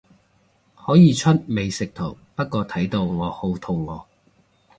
可以出美食圖，不過睇到我好肚餓